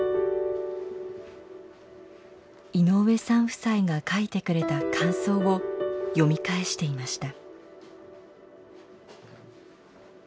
井上さん夫妻が書いてくれた感想を読み返していました。